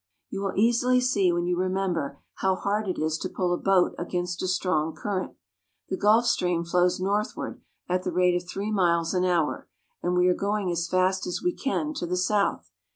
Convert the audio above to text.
You will easily see when you remember how hard it is to pull a boat against a strong current. The Gulf Stream flows northward at the rate of three miles an hour, and we are going as fast as we can to the south.